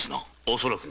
おそらく。